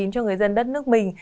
cho người dân đất nước mình